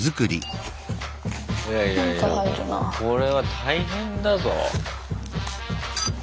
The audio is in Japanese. これは大変だぞ。